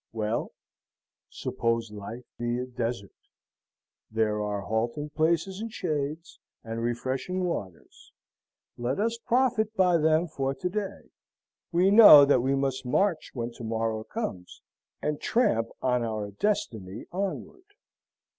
Well? suppose life be a desert? There are halting places and shades, and refreshing waters; let us profit by them for to day. We know that we must march when to morrow comes, and tramp on our destiny onward.